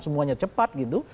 semuanya cepat gitu